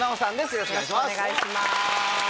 よろしくお願いします。